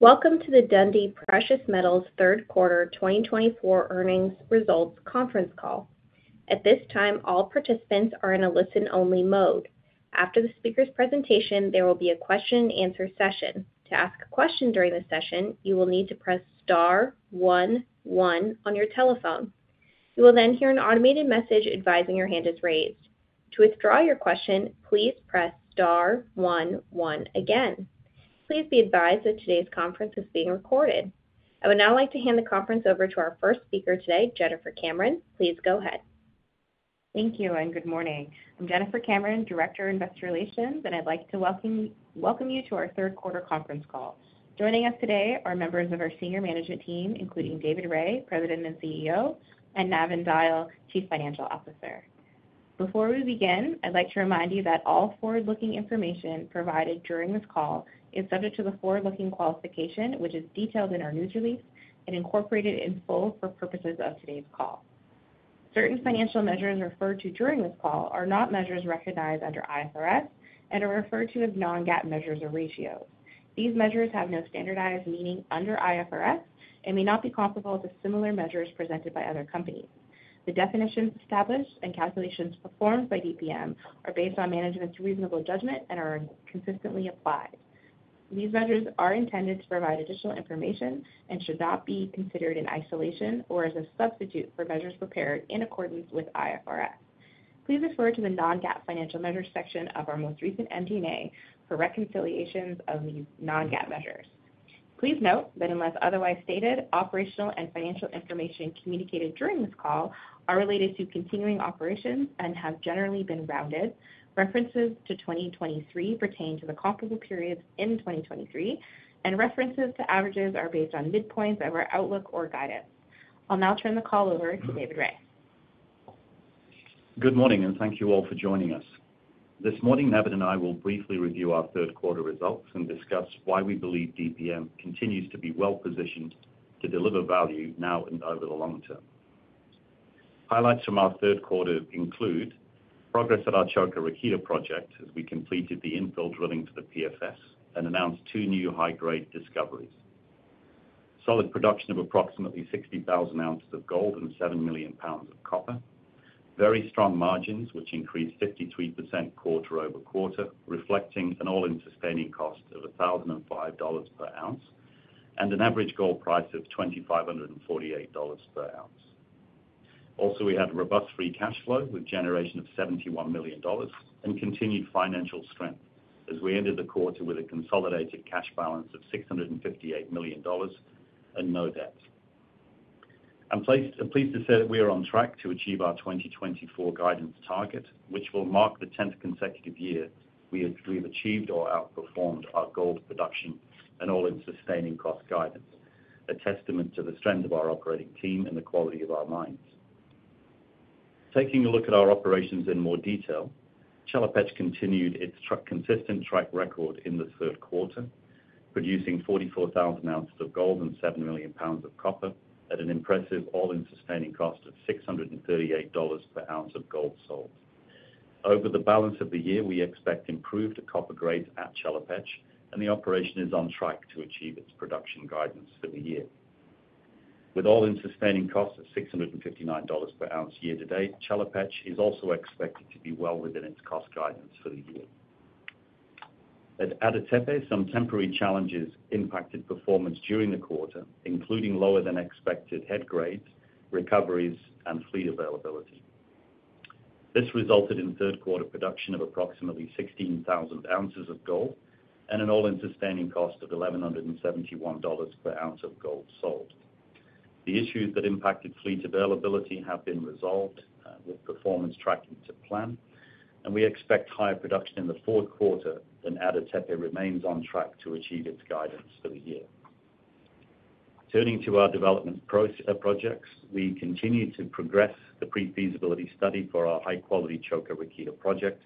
Welcome to the Dundee Precious Metals Third Quarter 2024 Earnings Results Conference Call. At this time, all participants are in a listen-only mode. After the speaker's presentation, there will be a question-and-answer session. To ask a question during the session, you will need to press *11 on your telephone. You will then hear an automated message advising your hand is raised. To withdraw your question, please press *11 again. Please be advised that today's conference is being recorded. I would now like to hand the conference over to our first speaker today, Jennifer Cameron. Please go ahead. Thank you, and good morning. I'm Jennifer Cameron, Director of Investor Relations, and I'd like to welcome you to our Third Quarter Conference Call. Joining us today are members of our Senior Management Team, including David Rae, President and CEO, and Navin Dyal, Chief Financial Officer. Before we begin, I'd like to remind you that all forward-looking information provided during this call is subject to the forward-looking qualification, which is detailed in our news release and incorporated in full for purposes of today's call. Certain financial measures referred to during this call are not measures recognized under IFRS and are referred to as non-GAAP measures or ratios. These measures have no standardized meaning under IFRS and may not be comparable to similar measures presented by other companies. The definitions established and calculations performed by DPM are based on management's reasonable judgment and are consistently applied. These measures are intended to provide additional information and should not be considered in isolation or as a substitute for measures prepared in accordance with IFRS. Please refer to the non-GAAP financial measures section of our most recent MD&A for reconciliations of these non-GAAP measures. Please note that unless otherwise stated, operational and financial information communicated during this call are related to continuing operations and have generally been rounded. References to 2023 pertain to the comparable periods in 2023, and references to averages are based on midpoints of our outlook or guidance. I'll now turn the call over to David Rae. Good morning, and thank you all for joining us. This morning, Navin and I will briefly review our Third Quarter results and discuss why we believe DPM continues to be well-positioned to deliver value now and over the long term. Highlights from our Third Quarter include progress at our Čoka Rakita project as we completed the infill drilling for the PFS and announced two new high-grade discoveries. Solid production of approximately 60,000 ounces of gold and seven million pounds of copper. Very strong margins, which increased 53% quarter over quarter, reflecting an all-in sustaining cost of $1,005 per ounce and an average gold price of $2,548 per ounce. Also, we had robust free cash flow with generation of $71 million and continued financial strength as we ended the quarter with a consolidated cash balance of $658 million and no debt. I'm pleased to say that we are on track to achieve our 2024 guidance target, which will mark the 10th consecutive year we have achieved or outperformed our gold production and all-in sustaining cost guidance, a testament to the strength of our operating team and the quality of our mines. Taking a look at our operations in more detail, Chelopech continued its consistent track record in the third quarter, producing 44,000 ounces of gold and 7 million pounds of copper at an impressive all-in sustaining cost of $638 per ounce of gold sold. Over the balance of the year, we expect improved copper grades at Chelopech, and the operation is on track to achieve its production guidance for the year. With all-in sustaining cost of $659 per ounce year to date, Chelopech is also expected to be well within its cost guidance for the year. At Ada Tepe, some temporary challenges impacted performance during the quarter, including lower-than-expected head grades, recoveries, and fleet availability. This resulted in Third Quarter production of approximately 16,000 ounces of gold and an all-in sustaining cost of $1,171 per ounce of gold sold. The issues that impacted fleet availability have been resolved with performance tracking to plan, and we expect higher production in the Fourth Quarter, and Ada Tepe remains on track to achieve its guidance for the year. Turning to our development projects, we continue to progress the pre-feasibility study for our high-quality Čoka Rakita project,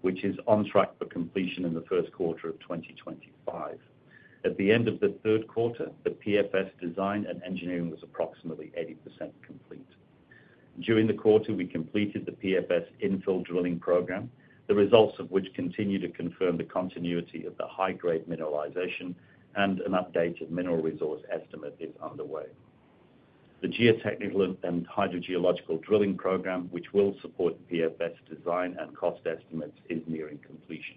which is on track for completion in the First Quarter of 2025. At the end of the Third Quarter, the PFS design and engineering was approximately 80% complete. During the quarter, we completed the PFS infill drilling program, the results of which continue to confirm the continuity of the high-grade mineralization, and an updated mineral resource estimate is underway. The geotechnical and hydrogeological drilling program, which will support the PFS design and cost estimates, is nearing completion.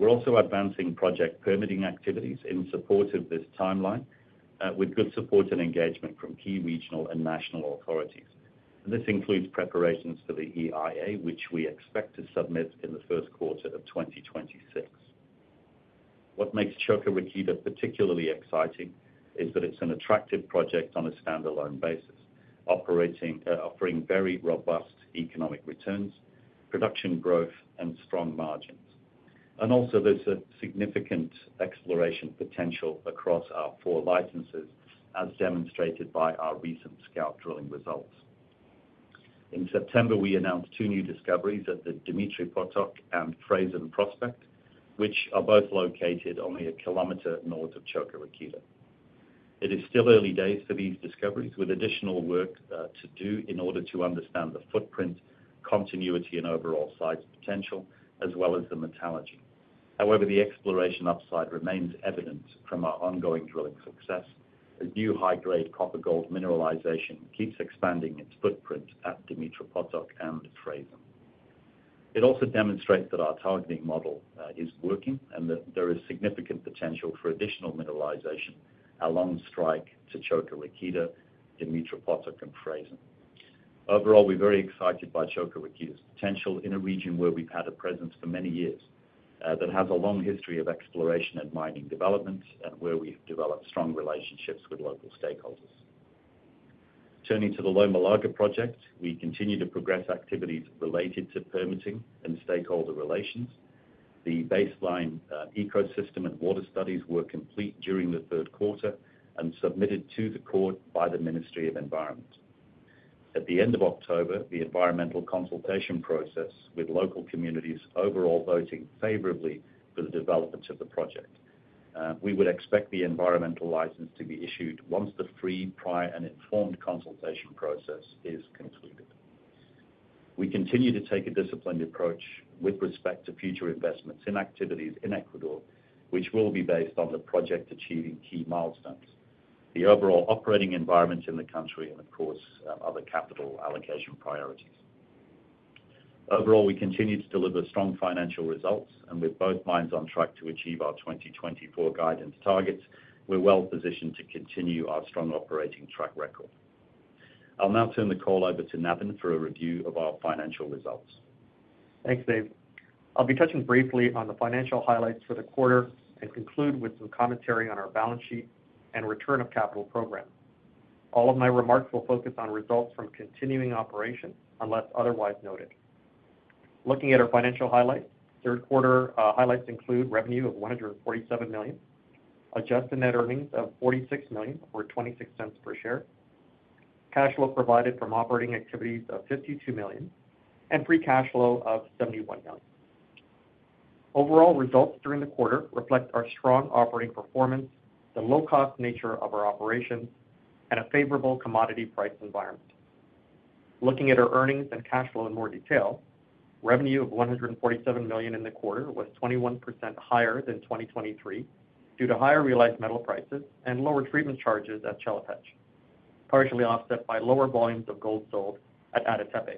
We're also advancing project permitting activities in support of this timeline with good support and engagement from key regional and national authorities. This includes preparations for the EIA, which we expect to submit in the first quarter of 2026. What makes Čoka Rakita particularly exciting is that it's an attractive project on a standalone basis, offering very robust economic returns, production growth, and strong margins. And also, there's a significant exploration potential across our four licenses, as demonstrated by our recent scout drilling results. In September, we announced two new discoveries at the Dumitru Potok and Frasen Prospect, which are both located only a kilometer north of Čoka Rakita. It is still early days for these discoveries, with additional work to do in order to understand the footprint, continuity, and overall site potential, as well as the metallurgy. However, the exploration upside remains evident from our ongoing drilling success as new high-grade copper-gold mineralization keeps expanding its footprint at Dumitru Potok and Frasen. It also demonstrates that our targeting model is working and that there is significant potential for additional mineralization along strike to Čoka Rakita, Dumitru Potok, and Frasen. Overall, we're very excited by Čoka Rakita's potential in a region where we've had a presence for many years that has a long history of exploration and mining development and where we've developed strong relationships with local stakeholders. Turning to the Loma Larga project, we continue to progress activities related to permitting and stakeholder relations. The baseline ecosystem and water studies were completed during the third quarter and submitted to the court by the Ministry of Environment. At the end of October, the environmental consultation process with local communities overall voting favorably for the development of the project. We would expect the environmental license to be issued once the free, prior, and informed consultation process is completed. We continue to take a disciplined approach with respect to future investments in activities in Ecuador, which will be based on the project achieving key milestones, the overall operating environment in the country, and, of course, other capital allocation priorities. Overall, we continue to deliver strong financial results, and with both mines on track to achieve our 2024 guidance targets, we're well-positioned to continue our strong operating track record. I'll now turn the call over to Navin for a review of our financial results. Thanks, Dave. I'll be touching briefly on the financial highlights for the quarter and conclude with some commentary on our balance sheet and return of capital program. All of my remarks will focus on results from continuing operations unless otherwise noted. Looking at our financial highlights, third quarter highlights include revenue of $147 million, adjusted net earnings of $46 million or $0.26 per share, cash flow provided from operating activities of $52 million, and free cash flow of $71 million. Overall results during the quarter reflect our strong operating performance, the low-cost nature of our operations, and a favorable commodity price environment. Looking at our earnings and cash flow in more detail, revenue of $147 million in the quarter was 21% higher than 2023 due to higher realized metal prices and lower treatment charges at Chelopech, partially offset by lower volumes of gold sold at Ada Tepe.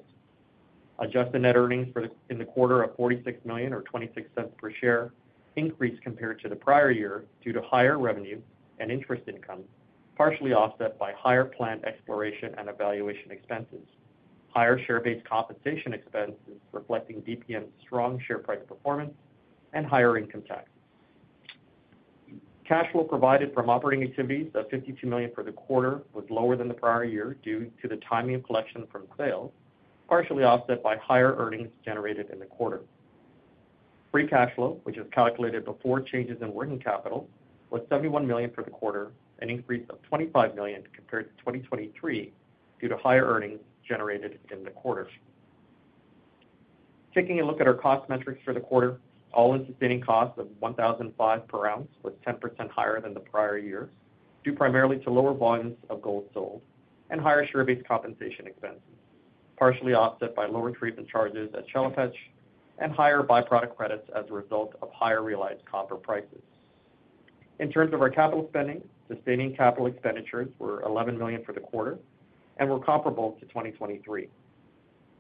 Adjusted net earnings in the quarter of $46 million or $0.26 per share increased compared to the prior year due to higher revenue and interest income, partially offset by higher planned exploration and evaluation expenses, higher share-based compensation expenses reflecting DPM's strong share price performance, and higher income taxes. Cash flow provided from operating activities of $52 million for the quarter was lower than the prior year due to the timing of collection from sales, partially offset by higher earnings generated in the quarter. Free cash flow, which is calculated before changes in working capital, was $71 million for the quarter, an increase of $25 million compared to 2023 due to higher earnings generated in the quarter. Taking a look at our cost metrics for the quarter, all-in sustaining cost of $1,005 per ounce was 10% higher than the prior year due primarily to lower volumes of gold sold and higher share-based compensation expenses, partially offset by lower treatment charges at Chelopech and higher byproduct credits as a result of higher realized copper prices. In terms of our capital spending, sustaining capital expenditures were $11 million for the quarter and were comparable to 2023,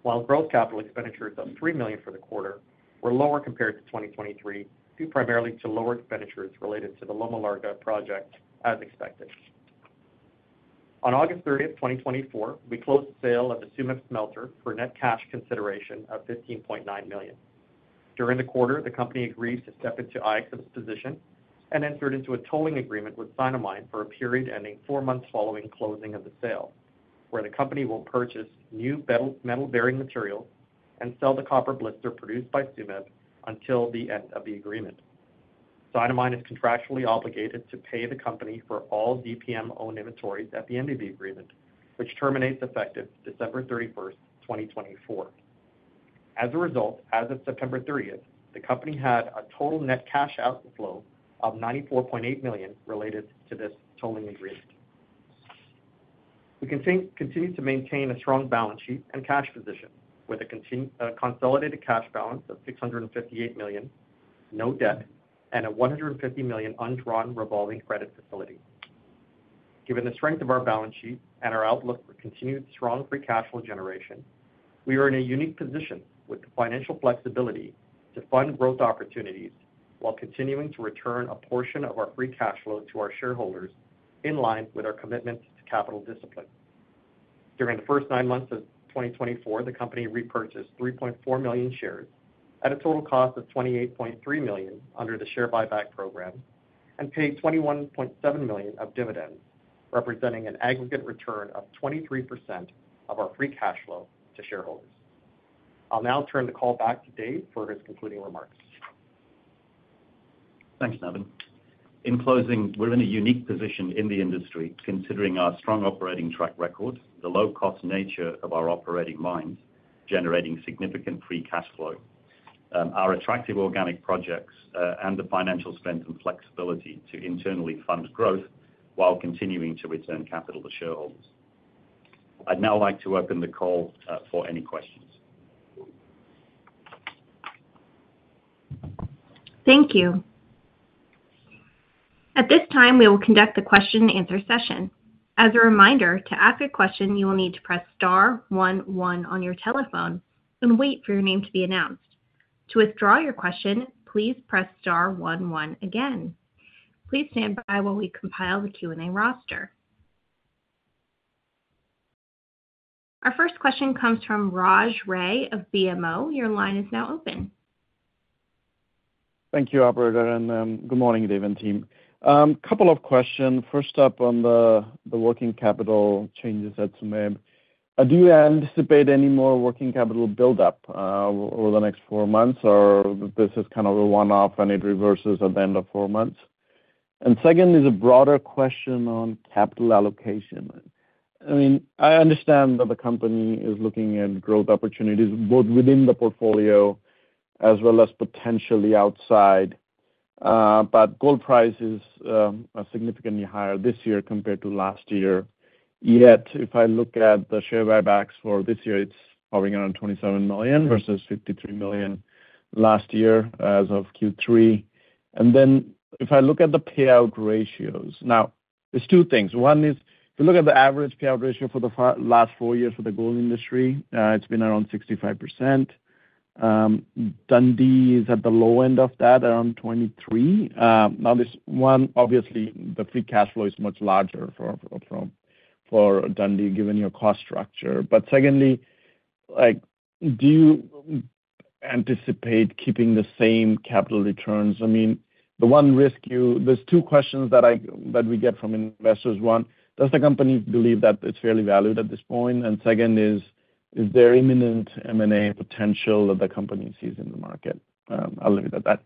while gross capital expenditures of $3 million for the quarter were lower compared to 2023 due primarily to lower expenditures related to the Loma Larga project, as expected. On August 30th, 2024, we closed the sale of the Tsumeb Smelter for net cash consideration of $15.9 million. During the quarter, the company agreed to step into IXM's position and entered into a tolling agreement with Sinomine for a period ending four months following closing of the sale, where the company will purchase new metal-bearing materials and sell the blister copper produced by Tsumeb until the end of the agreement. Sinomine is contractually obligated to pay the company for all DPM-owned inventories at the end of the agreement, which terminates effective December 31st, 2024. As a result, as of September 30th, the company had a total net cash outflow of $94.8 million related to this tolling agreement. We continue to maintain a strong balance sheet and cash position with a consolidated cash balance of $658 million, no debt, and a $150 million undrawn revolving credit facility. Given the strength of our balance sheet and our outlook for continued strong free cash flow generation, we are in a unique position with the financial flexibility to fund growth opportunities while continuing to return a portion of our free cash flow to our shareholders in line with our commitment to capital discipline. During the first nine months of 2024, the company repurchased 3.4 million shares at a total cost of $28.3 million under the share buyback program and paid $21.7 million of dividends, representing an aggregate return of 23% of our free cash flow to shareholders. I'll now turn the call back to Dave for his concluding remarks. Thanks, Navin. In closing, we're in a unique position in the industry considering our strong operating track record, the low-cost nature of our operating mines generating significant free cash flow, our attractive organic projects, and the financial strength and flexibility to internally fund growth while continuing to return capital to shareholders. I'd now like to open the call for any questions. Thank you. At this time, we will conduct the question-and-answer session. As a reminder, to ask a question, you will need to press star 11 on your telephone and wait for your name to be announced. To withdraw your question, please press star 11 again. Please stand by while we compile the Q&A roster. Our first question comes from Raj Ray of BMO. Your line is now open. Thank you, Operator, and good morning, Dave and team. A couple of questions. First up on the working capital changes at Tsumeb. Do you anticipate any more working capital build-up over the next four months, or this is kind of a one-off and it reverses at the end of four months? And second is a broader question on capital allocation. I mean, I understand that the company is looking at growth opportunities both within the portfolio as well as potentially outside, but gold price is significantly higher this year compared to last year. Yet, if I look at the share buybacks for this year, it's probably around $27 million versus $53 million last year as of Q3. And then if I look at the payout ratios, now, there's two things. One is if you look at the average payout ratio for the last four years for the gold industry, it's been around 65%. Dundee is at the low end of that, around 23%. Now, obviously, the free cash flow is much larger for Dundee given your cost structure. But secondly, do you anticipate keeping the same capital returns? I mean, the one risk you—there's two questions that we get from investors. One, does the company believe that it's fairly valued at this point? And second is, is there imminent M&A potential that the company sees in the market? I'll leave it at that.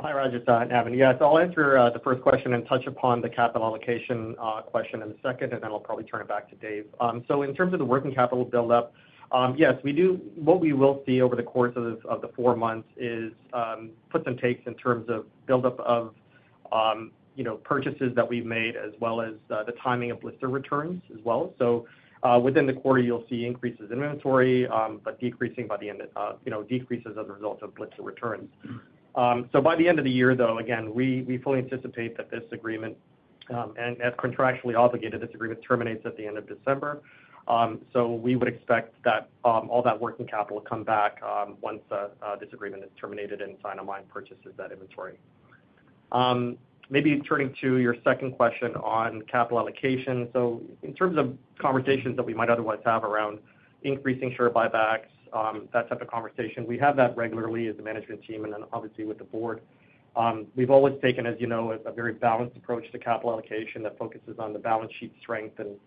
Hi, Raj. It's Navin. Yes, I'll answer the first question and touch upon the capital allocation question in a second, and then I'll probably turn it back to Dave. So in terms of the working capital build-up, yes, what we will see over the course of the four months is puts and takes in terms of build-up of purchases that we've made as well as the timing of blister returns as well. So within the quarter, you'll see increases in inventory, but decreasing by the end, decreases as a result of blister returns. So by the end of the year, though, again, we fully anticipate that this agreement, and as contractually obligated, this agreement terminates at the end of December. So we would expect that all that working capital will come back once this agreement is terminated and Sinomine purchases that inventory. Maybe turning to your second question on capital allocation. So in terms of conversations that we might otherwise have around increasing share buybacks, that type of conversation, we have that regularly as a management team and then obviously with the board. We've always taken, as you know, a very balanced approach to capital allocation that focuses on the balance sheet strength and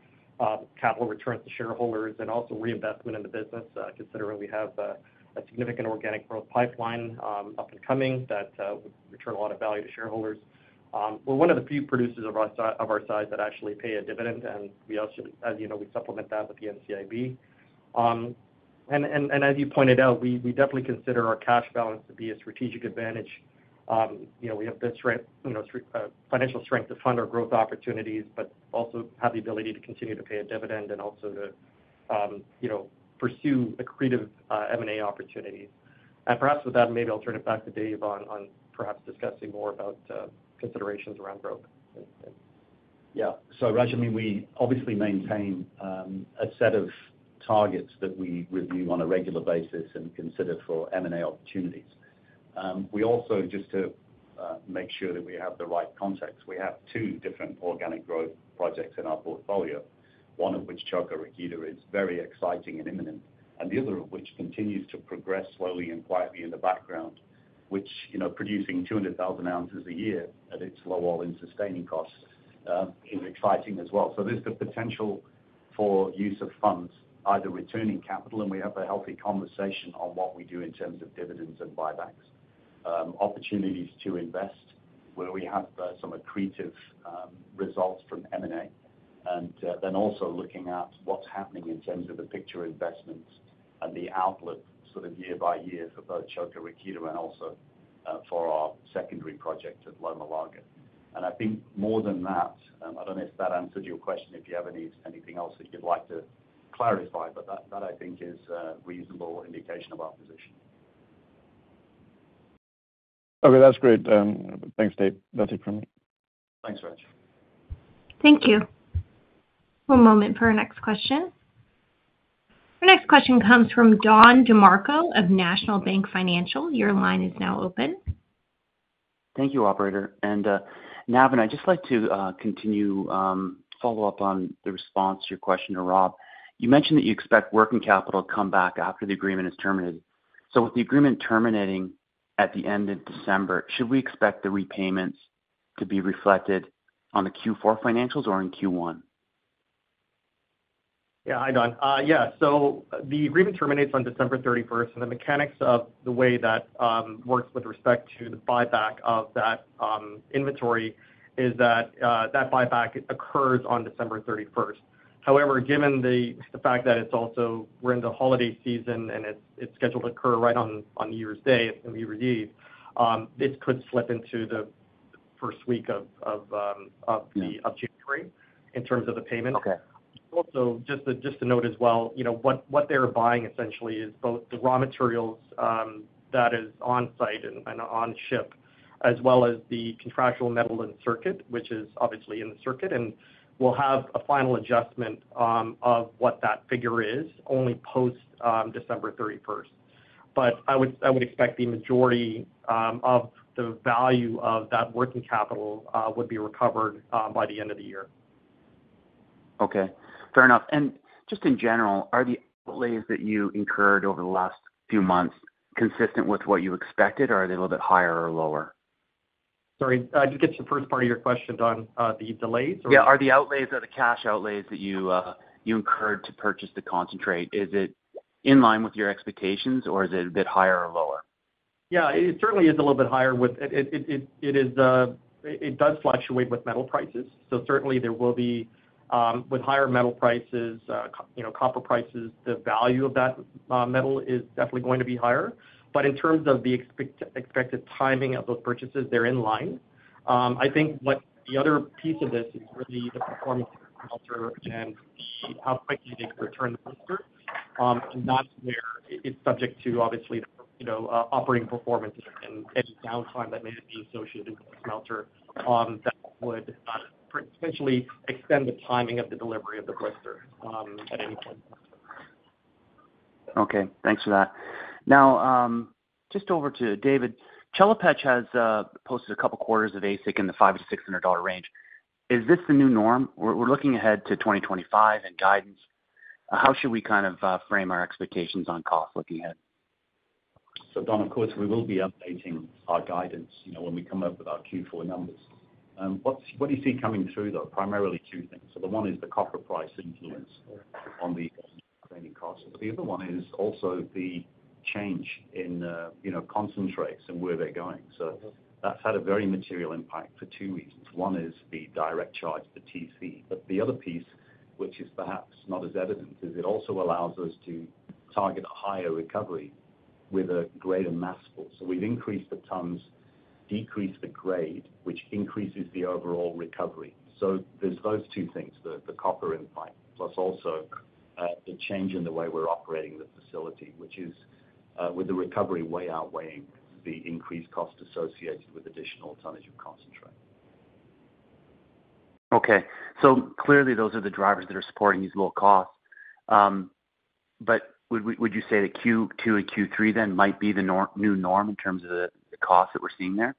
capital returns to shareholders and also reinvestment in the business, considering we have a significant organic growth pipeline up and coming that would return a lot of value to shareholders. We're one of the few producers of our size that actually pay a dividend, and as you know, we supplement that with the NCIB. And as you pointed out, we definitely consider our cash balance to be a strategic advantage. We have this financial strength to fund our growth opportunities, but also have the ability to continue to pay a dividend and also to pursue accretive M&A opportunities. And perhaps with that, maybe I'll turn it back to Dave on perhaps discussing more about considerations around growth. Yeah. So Raj, I mean, we obviously maintain a set of targets that we review on a regular basis and consider for M&A opportunities. We also, just to make sure that we have the right context, we have two different organic growth projects in our portfolio, one of which Čoka Rakita is very exciting and imminent, and the other of which continues to progress slowly and quietly in the background, which producing 200,000 ounces a year at its low all-in sustaining costs is exciting as well. There's the potential for use of funds, either returning capital, and we have a healthy conversation on what we do in terms of dividends and buybacks, opportunities to invest where we have some accretive results from M&A, and then also looking at what's happening in terms of the future investments and the outlook sort of year by year for both Čoka Rakita and also for our secondary project at Loma Larga. I think more than that, I don't know if that answered your question, if you have anything else that you'd like to clarify, but that I think is a reasonable indication of our position. Okay, that's great. Thanks, Dave. That's it from me. Thanks, Raj. Thank you. One moment for our next question. Our next question comes from Don DeMarco of National Bank Financial. Your line is now open. Thank you, Operator. And Navin, I'd just like to continue to follow up on the response to your question to Rob. You mentioned that you expect working capital to come back after the agreement is terminated. So with the agreement terminating at the end of December, should we expect the repayments to be reflected on the Q4 financials or in Q1? Yeah, hi, Don. Yeah. So the agreement terminates on December 31st, and the mechanics of the way that works with respect to the buyback of that inventory is that that buyback occurs on December 31st. However, given the fact that it's also, we're in the holiday season and it's scheduled to occur right on New Year's Day and New Year's Eve, this could slip into the first week of January in terms of the payment. Also, just to note as well, what they're buying essentially is both the raw materials that are on-site and on-ship, as well as the contractual metal in circuit, which is obviously in the circuit, and we'll have a final adjustment of what that figure is only post-December 31st. But I would expect the majority of the value of that working capital would be recovered by the end of the year. Okay. Fair enough. And just in general, are the outlays that you incurred over the last few months consistent with what you expected, or are they a little bit higher or lower? Sorry, I didn't get the first part of your question, Don. The delays or? Yeah. Are the outlays or the cash outlays that you incurred to purchase the concentrate, is it in line with your expectations, or is it a bit higher or lower? Yeah, it certainly is a little bit higher. It does fluctuate with metal prices. So certainly, there will be, with higher metal prices, copper prices, the value of that metal is definitely going to be higher. But in terms of the expected timing of those purchases, they're in line. I think the other piece of this is really the performance of the smelter and how quickly they can return the blister. And that's where it's subject to, obviously, operating performance and any downtime that may be associated with the smelter that would potentially extend the timing of the delivery of the blister at any point. Okay. Thanks for that. Now, just over to David. Chelopech has posted a couple of quarters of AISC in the $500-$600 range. Is this the new norm? We're looking ahead to 2025 and guidance. How should we kind of frame our expectations on costs looking ahead? So, Don, of course, we will be updating our guidance when we come up with our Q4 numbers. What do you see coming through, though? Primarily two things. So the one is the copper price influence on the treatment costs. But the other one is also the change in concentrates and where they're going. So that's had a very material impact for two reasons. One is the direct charge, the TC. But the other piece, which is perhaps not as evident, is it also allows us to target a higher recovery with a greater mass pull. So we've increased the tons, decreased the grade, which increases the overall recovery. So there's those two things, the copper impact, plus also the change in the way we're operating the facility, which is with the recovery way outweighing the increased cost associated with additional tonnage of concentrate. Okay. So clearly, those are the drivers that are supporting these low costs. But would you say that Q2 and Q3 then might be the new norm in terms of the costs that we're seeing there?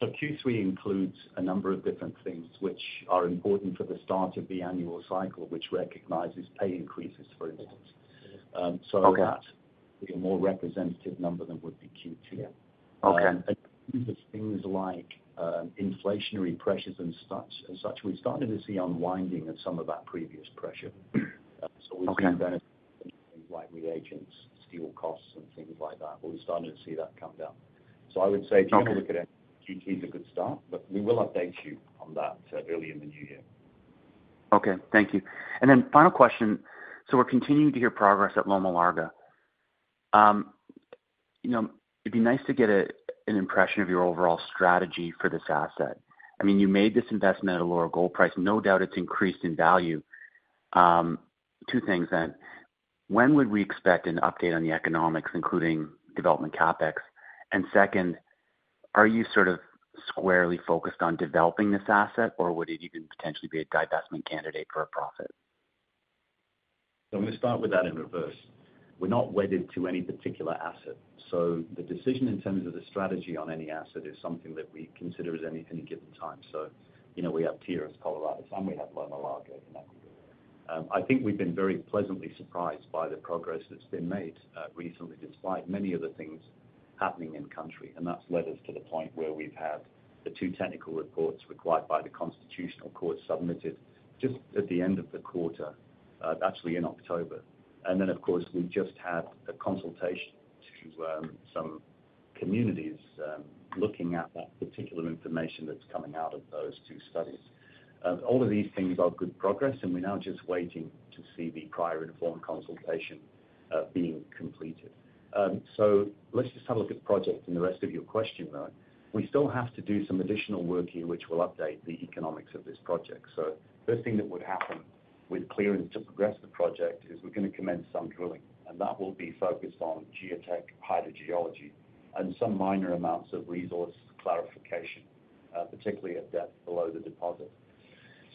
So Q3 includes a number of different things which are important for the start of the annual cycle, which recognizes pay increases, for instance. So that would be a more representative number than would be Q2. And things like inflationary pressures and such, we've started to see unwinding of some of that previous pressure. So we've seen benefits from things like reagents, steel costs, and things like that. We've started to see that come down. So I would say if you want to look at it, Q2 is a good start, but we will update you on that early in the new year. Okay. Thank you. And then final question. So we're continuing to hear progress at Loma Larga. It'd be nice to get an impression of your overall strategy for this asset. I mean, you made this investment at a lower gold price. No doubt it's increased in value. Two things then. When would we expect an update on the economics, including development CapEx? And second, are you sort of squarely focused on developing this asset, or would it even potentially be a divestment candidate for a profit? So I'm going to start with that in reverse. We're not wedded to any particular asset. So the decision in terms of the strategy on any asset is something that we consider at any given time. So we have Tierras Coloradas, and we have Loma Larga in equity. I think we've been very pleasantly surprised by the progress that's been made recently, despite many of the things happening in-country. And that's led us to the point where we've had the two technical reports required by the Constitutional Court submitted just at the end of the quarter, actually in October. And then, of course, we just had a consultation to some communities looking at that particular information that's coming out of those two studies. All of these things are good progress, and we're now just waiting to see the prior informed consultation being completed. So let's just have a look at the project and the rest of your question, though. We still have to do some additional work here, which will update the economics of this project. So the first thing that would happen with clearance to progress the project is we're going to commence some drilling, and that will be focused on geotech, hydrogeology, and some minor amounts of resource clarification, particularly at depth below the deposit.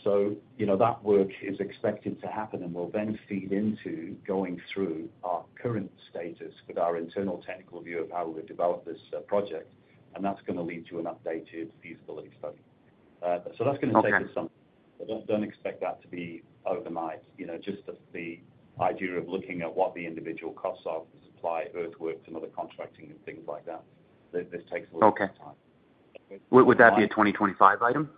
So that work is expected to happen, and we'll then feed into going through our current status with our internal technical view of how we've developed this project, and that's going to lead to an updated feasibility study. So that's going to take us some. But don't expect that to be overnight. Just the idea of looking at what the individual costs are for supply, earthworks, and other contracting and things like that, this takes a little bit of time. Would that be a 2025 item?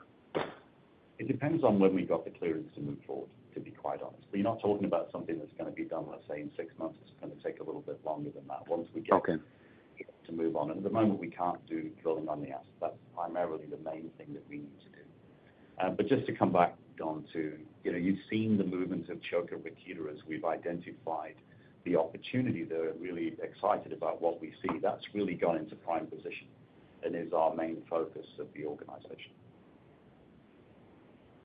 It depends on when we got the clearance to move forward, to be quite honest. But you're not talking about something that's going to be done, let's say, in six months. It's going to take a little bit longer than that once we get to move on. And at the moment, we can't do drilling on the asset. That's primarily the main thing that we need to do. But just to come back, Don, to, you've seen the movement of Čoka Rakita as we've identified the opportunity. They're really excited about what we see. That's really gone into prime position and is our main focus of the organization.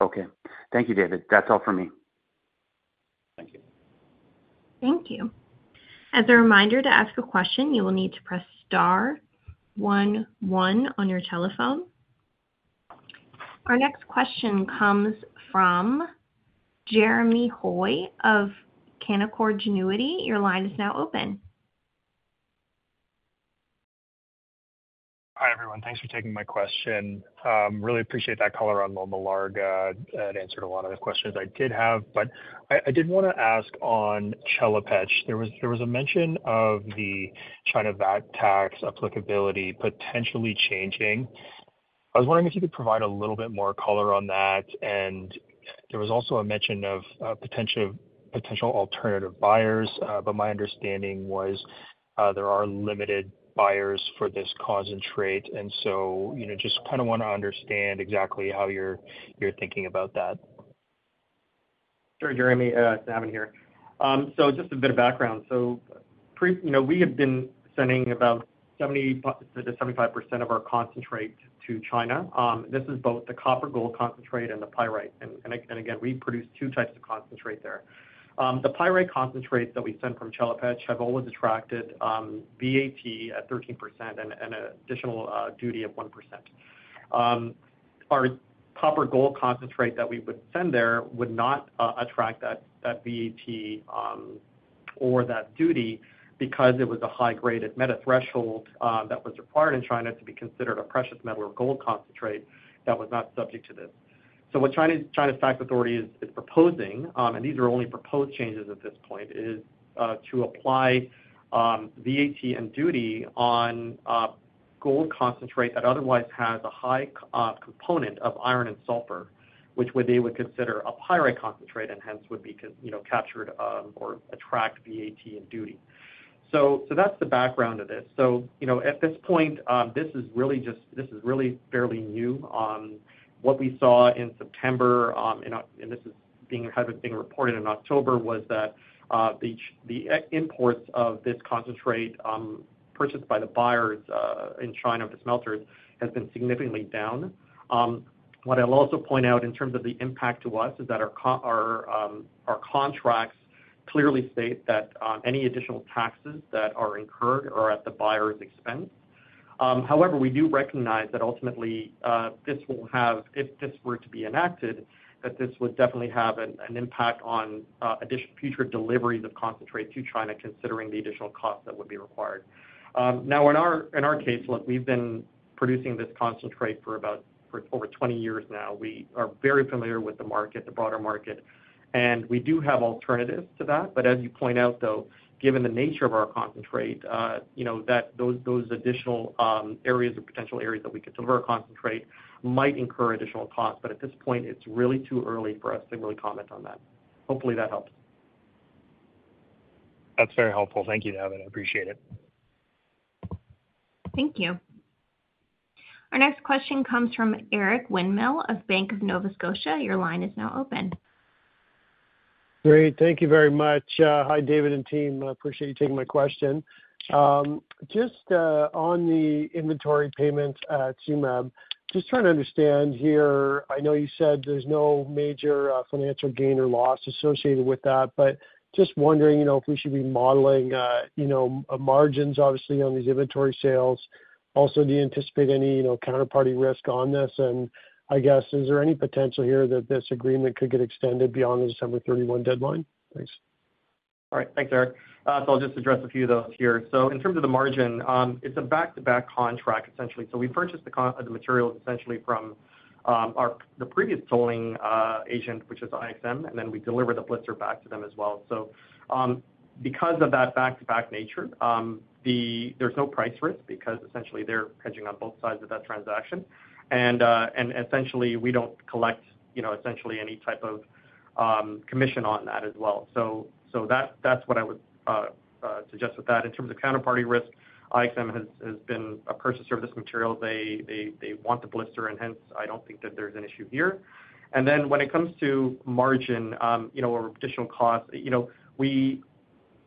Okay. Thank you, David. That's all from me. Thank you. Thank you. As a reminder to ask a question, you will need to press star 11 on your telephone. Our next question comes from Jeremy Hoy of Canaccord Genuity. Your line is now open. Hi, everyone. Thanks for taking my question. Really appreciate that color on Loma Larga. It answered a lot of the questions I did have. But I did want to ask on Chelopech. There was a mention of the China VAT tax applicability potentially changing. I was wondering if you could provide a little bit more color on that. And there was also a mention of potential alternative buyers, but my understanding was there are limited buyers for this concentrate. And so just kind of want to understand exactly how you're thinking about that. Sure, Jeremy. It's Navin here. So just a bit of background. So we have been sending about 70%-75% of our concentrate to China. This is both the copper-gold concentrate and the pyrite. And again, we produce two types of concentrate there. The pyrite concentrate that we send from Chelopech have always attracted VAT at 13% and an additional duty of 1%. Our copper-gold concentrate that we would send there would not attract that VAT or that duty because it was a high-grade metal threshold that was required in China to be considered a precious metal or gold concentrate that was not subject to this. What China's tax authority is proposing, and these are only proposed changes at this point, is to apply VAT and duty on gold concentrate that otherwise has a high component of iron and sulfur, which they would consider a pyrite concentrate and hence would be captured or attract VAT and duty. That's the background of this. At this point, this is really fairly new. What we saw in September, and this is being reported in October, was that the imports of this concentrate purchased by the buyers in China of the smelters has been significantly down. What I'll also point out in terms of the impact to us is that our contracts clearly state that any additional taxes that are incurred are at the buyer's expense. However, we do recognize that ultimately this will have, if this were to be enacted, that this would definitely have an impact on future deliveries of concentrate to China, considering the additional costs that would be required. Now, in our case, look, we've been producing this concentrate for over 20 years now. We are very familiar with the market, the broader market, and we do have alternatives to that. But as you point out, though, given the nature of our concentrate, those additional areas or potential areas that we could deliver our concentrate might incur additional costs. But at this point, it's really too early for us to really comment on that. Hopefully, that helps. That's very helpful. Thank you, Navin. I appreciate it. Thank you. Our next question comes from Eric Winmill of Bank of Nova Scotia. Your line is now open. Great. Thank you very much. Hi, David and team. I appreciate you taking my question. Just on the inventory payment, Tsumeb, just trying to understand here, I know you said there's no major financial gain or loss associated with that, but just wondering if we should be modeling margins, obviously, on these inventory sales. Also, do you anticipate any counterparty risk on this? And I guess, is there any potential here that this agreement could get extended beyond the December '31 deadline? Thanks. All right. Thanks, Eric, so I'll just address a few of those here, so in terms of the margin, it's a back-to-back contract, essentially, so we purchased the materials essentially from the previous tolling agent, which is IXM, and then we deliver the blister back to them as well, so because of that back-to-back nature, there's no price risk because essentially they're hedging on both sides of that transaction, and essentially, we don't collect essentially any type of commission on that as well, so that's what I would suggest with that. In terms of counterparty risk, IXM has been a purchaser of this material. They want the blister, and hence I don't think that there's an issue here, and then when it comes to margin or additional costs,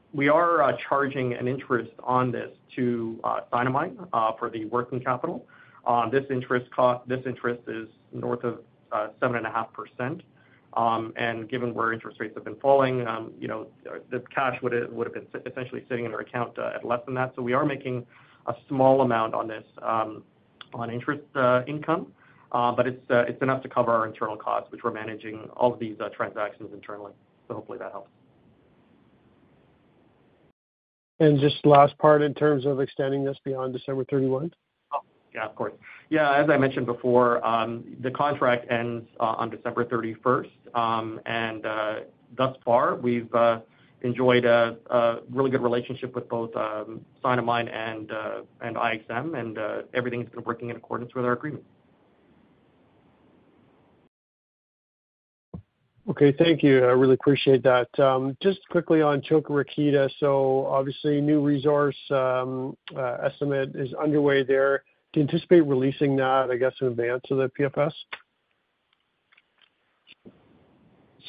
we are charging an interest on this to Sinomine for the working capital. This interest is north of 7.5%. And given where interest rates have been falling, the cash would have been essentially sitting in our account at less than that. So we are making a small amount on this on interest income, but it's enough to cover our internal costs, which we're managing all of these transactions internally. So hopefully that helps. Just last part in terms of extending this beyond December 31? Yeah, of course. Yeah. As I mentioned before, the contract ends on December 31st, and thus far, we've enjoyed a really good relationship with both Sinomine and IXM, and everything has been working in accordance with our agreement. Okay. Thank you. I really appreciate that. Just quickly on Čoka Rakita, so obviously new resource estimate is underway there. Do you anticipate releasing that, I guess, in advance of the PFS?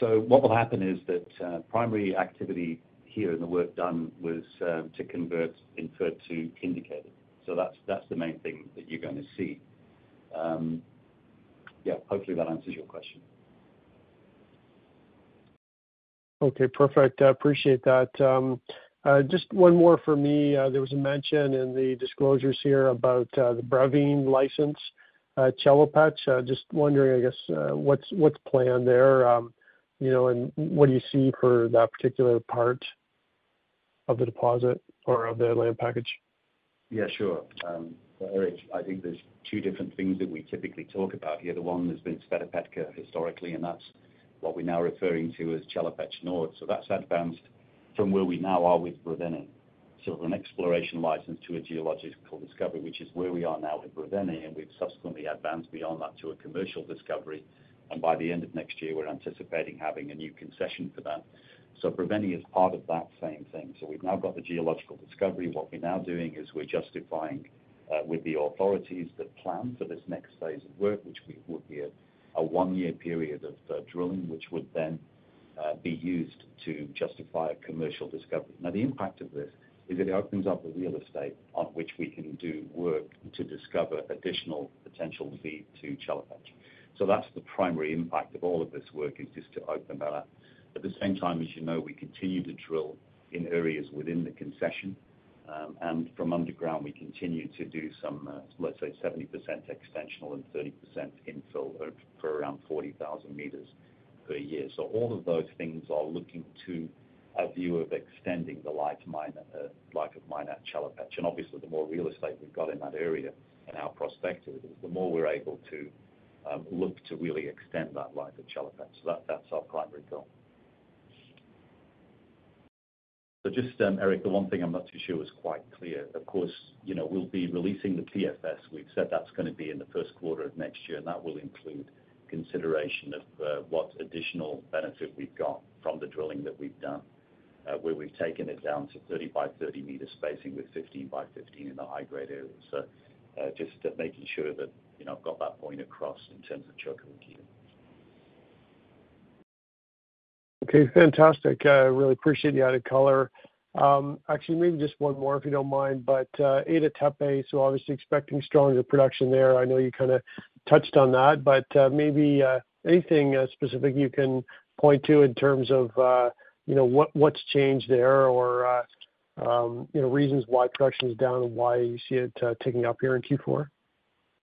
So what will happen is that the primary activity here in the work done was to convert inferred to indicated. So that's the main thing that you're going to see. Yeah. Hopefully, that answers your question. Okay. Perfect. I appreciate that. Just one more for me. There was a mention in the disclosures here about the Brevene license at Chelopech. Just wondering, I guess, what's planned there and what do you see for that particular part of the deposit or of the land package? Yeah, sure. So Eric, I think there's two different things that we typically talk about here. The one has been Sveta Petka historically, and that's what we're now referring to as Chelopech North. So that's advanced from where we now are with Brevene silver exploration license to a geological discovery, which is where we are now with Brevene. And we've subsequently advanced beyond that to a commercial discovery. And by the end of next year, we're anticipating having a new concession for that. So Brevene is part of that same thing. So we've now got the geological discovery. What we're now doing is we're justifying with the authorities the plan for this next phase of work, which would be a one-year period of drilling, which would then be used to justify a commercial discovery. Now, the impact of this is it opens up the real estate on which we can do work to discover additional potential feed to Chelopech. So that's the primary impact of all of this work is just to open that up. At the same time, as you know, we continue to drill in areas within the concession. And from underground, we continue to do some, let's say, 70% extensional and 30% infill for around 40,000 meters per year. So all of those things are looking to a view of extending the life of mine at Chelopech. And obviously, the more real estate we've got in that area and our prospects, the more we're able to look to really extend that life at Chelopech. So that's our primary goal. So just, Eric, the one thing I'm not too sure is quite clear. Of course, we'll be releasing the PFS. We've said that's going to be in the first quarter of next year, and that will include consideration of what additional benefit we've got from the drilling that we've done, where we've taken it down to 30 by 30 meter spacing with 15 by 15 in the high-grade area. So just making sure that I've got that point across in terms of Čoka Rakita. Okay. Fantastic. I really appreciate the added color. Actually, maybe just one more, if you don't mind, but Ada Tepe. So obviously expecting stronger production there. I know you kind of touched on that, but maybe anything specific you can point to in terms of what's changed there or reasons why production is down and why you see it ticking up here in Q4?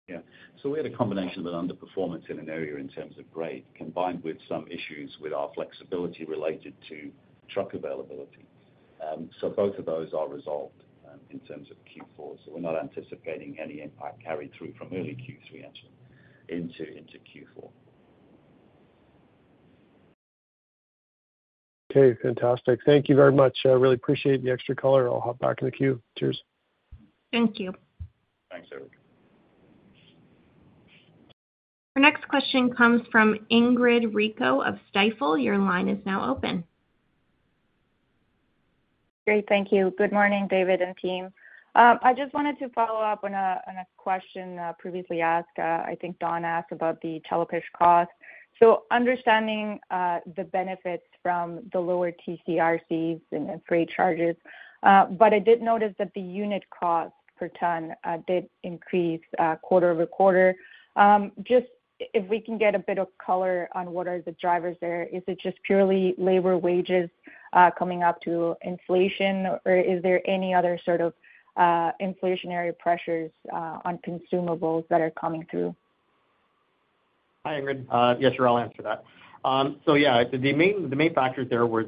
Yeah. So we had a combination of an underperformance in an area in terms of grade, combined with some issues with our flexibility related to truck availability. So both of those are resolved in terms of Q4. So we're not anticipating any impact carried through from early Q3, actually, into Q4. Okay. Fantastic. Thank you very much. I really appreciate the extra color. I'll hop back in the queue. Cheers. Thank you. Thanks, Eric. Our next question comes from Ingrid Rico of Stifel. Your line is now open. Great. Thank you. Good morning, David and team. I just wanted to follow up on a question previously asked. I think Don asked about the Chelopech cost. So understanding the benefits from the lower TCRCs and freight charges, but I did notice that the unit cost per ton did increase quarter over quarter. Just if we can get a bit of color on what are the drivers there. Is it just purely labor wages coming up to inflation, or is there any other sort of inflationary pressures on consumables that are coming through? Hi, Ingrid. Yes, sure. I'll answer that. So yeah, the main factors there was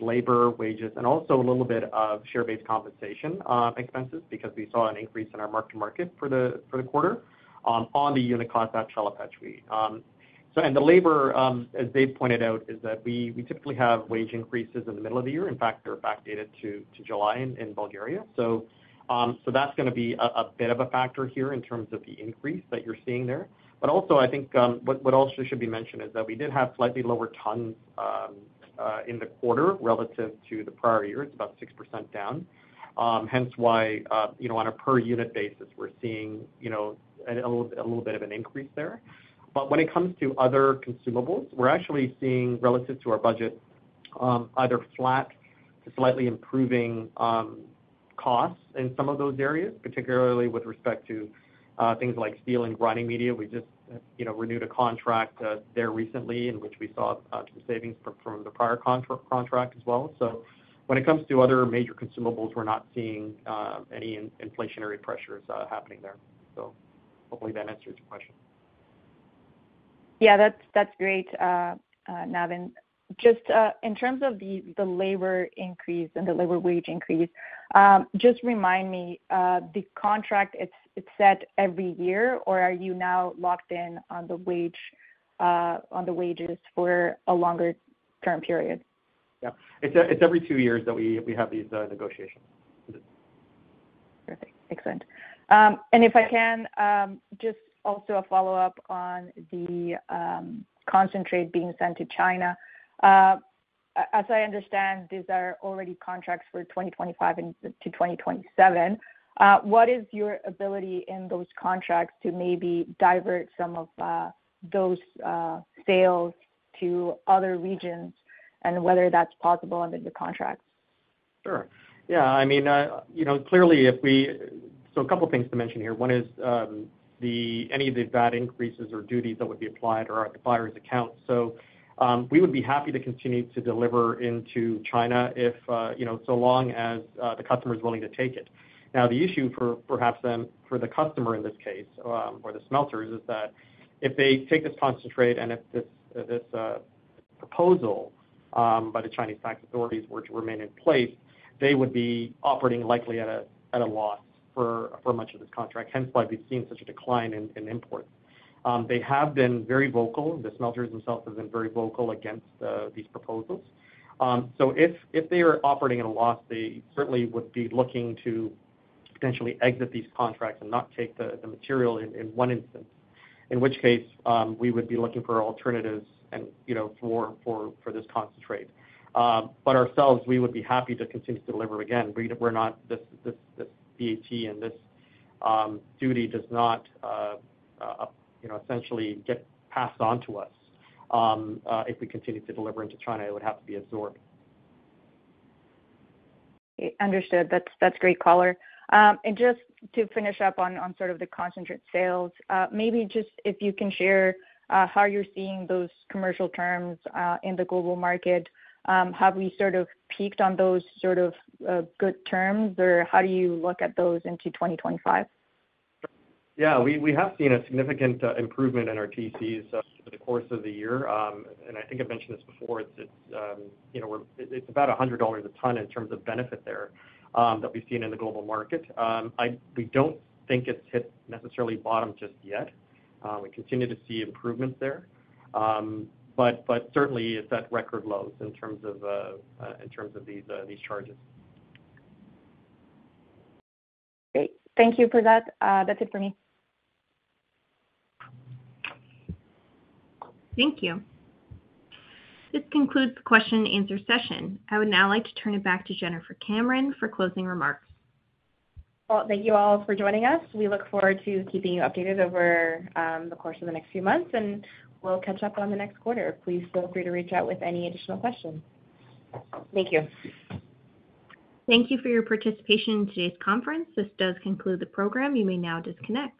labor, wages, and also a little bit of share-based compensation expenses because we saw an increase in our mark-to-market for the quarter on the unit cost at Chelopech. And the labor, as Dave pointed out, is that we typically have wage increases in the middle of the year. In fact, they're backdated to July in Bulgaria. So that's going to be a bit of a factor here in terms of the increase that you're seeing there. But also, I think what also should be mentioned is that we did have slightly lower tons in the quarter relative to the prior year. It's about 6% down. Hence why, on a per-unit basis, we're seeing a little bit of an increase there. But when it comes to other consumables, we're actually seeing, relative to our budget, either flat to slightly improving costs in some of those areas, particularly with respect to things like steel and grinding media. We just renewed a contract there recently in which we saw some savings from the prior contract as well. So when it comes to other major consumables, we're not seeing any inflationary pressures happening there. So hopefully that answers your question. Yeah, that's great, Navin. Just in terms of the labor increase and the labor wage increase, just remind me, the contract, it's set every year, or are you now locked in on the wages for a longer-term period? Yeah. It's every two years that we have these negotiations. Perfect. Excellent, and if I can, just also a follow-up on the concentrate being sent to China. As I understand, these are already contracts for 2025 to 2027. What is your ability in those contracts to maybe divert some of those sales to other regions and whether that's possible under the contract? Sure. Yeah. I mean, clearly, if we—so a couple of things to mention here. One is any of the VAT increases or duties that would be applied are at the buyer's account. So we would be happy to continue to deliver into China if so long as the customer is willing to take it. Now, the issue for perhaps then for the customer in this case or the smelters is that if they take this concentrate and if this proposal by the Chinese tax authorities were to remain in place, they would be operating likely at a loss for much of this contract. Hence why we've seen such a decline in imports. They have been very vocal. The smelters themselves have been very vocal against these proposals. So if they are operating at a loss, they certainly would be looking to potentially exit these contracts and not take the material in one instance, in which case we would be looking for alternatives for this concentrate. But ourselves, we would be happy to continue to deliver again. This VAT and this duty does not essentially get passed on to us. If we continue to deliver into China, it would have to be absorbed. Understood. That's great color. And just to finish up on sort of the concentrate sales, maybe just if you can share how you're seeing those commercial terms in the global market. Have we sort of peaked on those sort of good terms, or how do you look at those into 2025? Yeah. We have seen a significant improvement in our TCs over the course of the year. And I think I've mentioned this before. It's about $100 a ton in terms of benefit there that we've seen in the global market. We don't think it's hit necessarily bottom just yet. We continue to see improvements there. But certainly, it's at record lows in terms of these charges. Great. Thank you for that. That's it for me. Thank you. This concludes the question-and-answer session. I would now like to turn it back to Jennifer Cameron for closing remarks. Well, thank you all for joining us. We look forward to keeping you updated over the course of the next few months, and we'll catch up on the next quarter. Please feel free to reach out with any additional questions. Thank you. Thank you for your participation in today's conference. This does conclude the program. You may now disconnect.